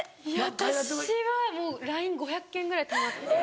私はもうＬＩＮＥ５００件ぐらいたまって。